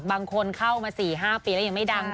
บางคนเข้ามา๔๕ปีแล้วยังไม่ดัง